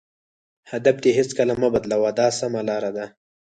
هدف دې هېڅکله مه بدلوه دا سمه لار ده.